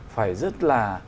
phải rất là